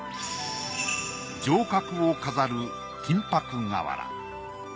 城郭を飾る金箔瓦。